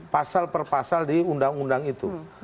pasal perpasal di undang undang itu